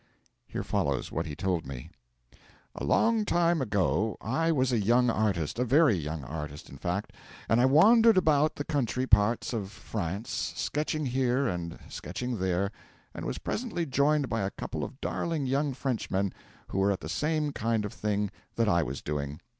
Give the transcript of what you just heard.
Here follows what he told me: 'A long time ago I was a young artist a very young artist, in fact and I wandered about the country parts of France, sketching here and sketching there, and was presently joined by a couple of darling young Frenchmen who were at the same kind of thing that I was doing.